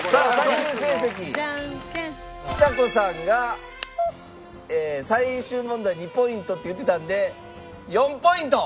ジャンケン！ちさ子さんが最終問題２ポイントって言ってたので４ポイント！